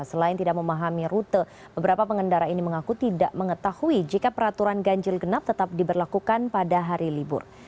selain tidak memahami rute beberapa pengendara ini mengaku tidak mengetahui jika peraturan ganjil genap tetap diberlakukan pada hari libur